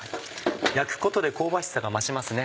焼くことで香ばしさが増しますね。